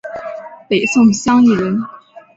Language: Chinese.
北宋襄邑人。